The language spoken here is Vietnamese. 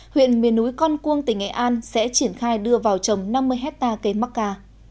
huyện miền núi con cuông tỉnh nghệ an sẽ triển khai đưa vào trồng năm mươi hectare cây mắc ca